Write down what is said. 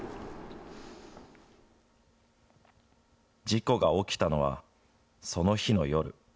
事故が起きたのはその日の夜。